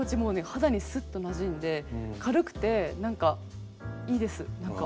肌にスッとなじんで軽くて何かいいです何か。